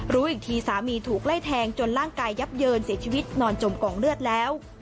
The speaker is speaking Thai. รู้อีกทีสามีถูกไล่แทงจนร่างกายยับเยินเสียชีวิตนอนจมกองเลือดแล้ว